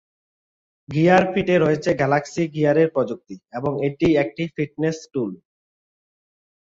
Gear ফিটে রয়েছে Galaxy গিয়ারের প্রযুক্তি এবং এটি একটি ফিটনেস টুল।